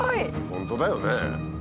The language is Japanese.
本当だよね。